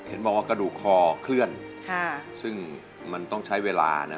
เห็นบอกว่ากระดูกคอเคลื่อนซึ่งมันต้องใช้เวลานะ